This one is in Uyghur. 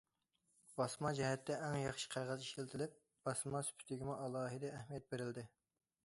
باسما جەھەتتە ئەڭ ياخشى قەغەز ئىشلىتىلىپ، باسما سۈپىتىگىمۇ ئالاھىدە ئەھمىيەت بېرىلدى.